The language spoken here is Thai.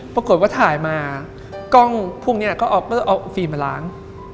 ปรากฏว่าถ่ายมากล้องพวกนี้ก็เอาฟิล์มมาล้าง